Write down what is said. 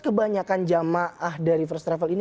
kebanyakan jemaah dari first level ini